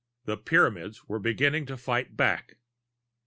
The Pyramids were beginning to fight back.